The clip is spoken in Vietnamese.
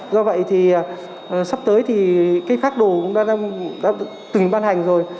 do vậy thì sắp tới thì cái phác đồ cũng đã từng ban hành rồi